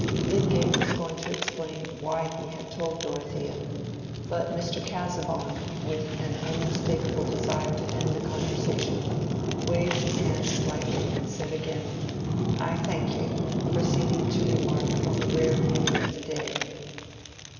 Lydgate was going to explain why he had told Dorothea, but Mr. Casaubon, with an unmistakable desire to end the conversation, waved his hand slightly, and said again, "I thank you," proceeding to remark on the rare beauty of the day.